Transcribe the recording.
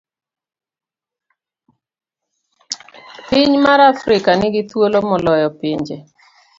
Piny mar Afrika ni gi thuolo moloyo pinje